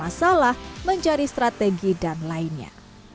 masalah mencari strategi dan lainnya